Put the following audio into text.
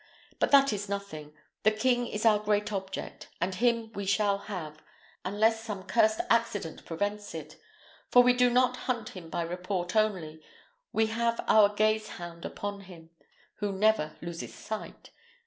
But that is nothing: the king is our great object, and him we shall have, unless some cursed accident prevents it; for we do not hunt him by report only: we have our gaze hound upon him, who never loses sight.